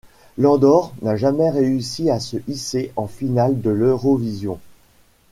L'Andorre n'a jamais réussi à se hisser en finale de l'Eurovision.